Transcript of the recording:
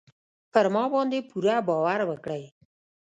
پر ما باندې پوره باور وکړئ.